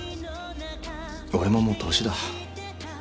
俺ももう年だ。